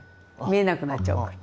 見えなくなっちゃうから。